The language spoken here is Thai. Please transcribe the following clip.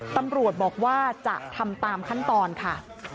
ตำรวจบอกว่าจะทำตามขั้นตอนค่ะ